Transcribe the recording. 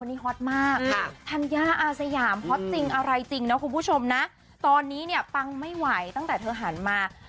วันนี้ฮอตมากค่ะ